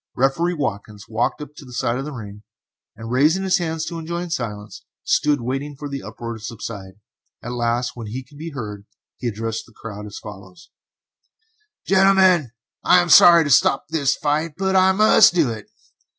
Referee Watkins walked to the side of the ring, and raising his hand to enjoin silence, stood waiting for the uproar to subside. At last, when he could be heard, he addressed the crowd as follows: "Gentlemen, I am sorry to stop this fight, but I must do it.